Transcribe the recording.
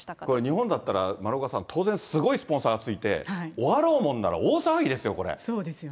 日本だったら、丸岡さん、当然、すごいスポンサーがついて、終わろうもんなら大騒ぎですよ、これ。